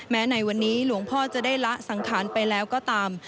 ในวันนี้หลวงพ่อจะได้ละสังขารไปแล้วก็ตาม